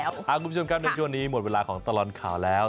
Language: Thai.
คุณผู้ชมครับในช่วงนี้หมดเวลาของตลอดข่าวแล้ว